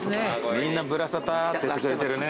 みんな『ぶらサタ』って言ってくれてるね。